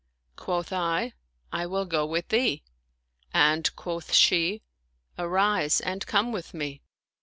Quoth I, " I will go with thee," and quoth she, *' Arise and come with me."